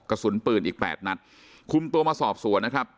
กระสุนปืนอีกแปดนัดคุมตัวมาสอบสวนนะครับ